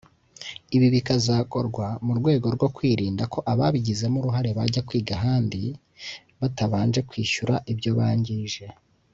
Ibi bikazakorwa mu rwego rwo kwirinda ko ababigizemo uruhare bajya kwiga ahandi batabanje kwishyura ibyo bangije